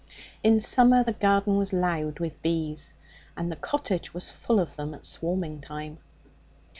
In summer the garden was loud with bees, and the cottage was full of them at swarming time.